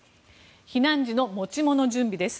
避難時の持ち物準備です。